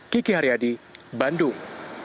kiki haryadi bandung